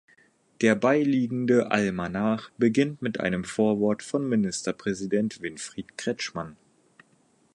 Der beiliegende Almanach beginnt mit einem Vorwort von Ministerpräsident Winfried Kretschmann.